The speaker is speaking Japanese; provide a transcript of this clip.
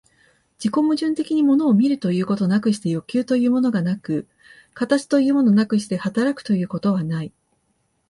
自己矛盾的に物を見るということなくして欲求というものがなく、形というものなくして働くということはない。